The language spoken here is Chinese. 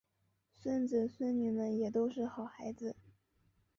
孙子孙女们也都是好孩子